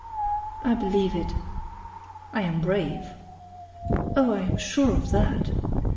"I believe it." "I am brave." "Oh, I am sure of that!"